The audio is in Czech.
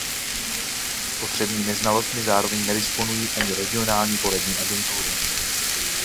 Potřebnými znalostmi zároveň nedisponují ani regionální poradní agentury.